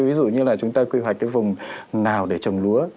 ví dụ như chúng ta quy hoạch vùng nào để trồng lúa